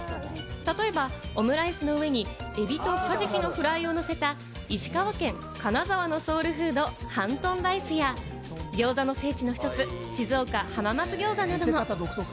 例えば、オムライスの上にエビとカジキのフライを乗せた石川県・金沢のソウルフード、ハントンライスや、ぎょうざの聖地の一つ、静岡・浜松ぎょうざなども。